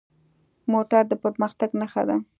موټر د پرمختګ نښه ده.